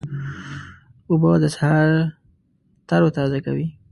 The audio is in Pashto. اوبه د سهار تروتازه کوي.